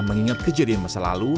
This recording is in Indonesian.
mengingat kejadian masa lalu